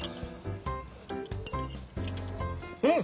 うん！